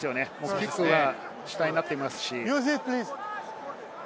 キックが主体になっていますし。